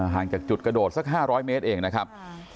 ห่างจากจุดกระโดดสัก๕๐๐เมตรเองนะครับ